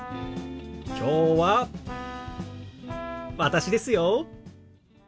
きょうは私ですよ。